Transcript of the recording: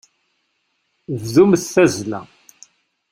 Bdumt tazzla.